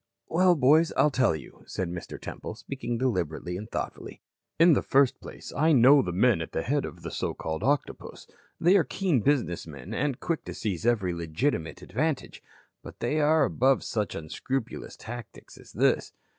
"Well, boys, I'll tell you," said Mr. Temple, speaking deliberately and thoughtfully. "In the first place I know the men at the head of the so called Octopus. They are keen business men and quick to seize every legitimate advantage. But they are above such unscrupulous tactics as this.